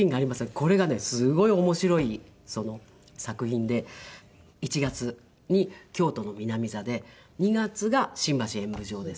これがねすごい面白い作品で１月に京都の南座で２月が新橋演舞場です。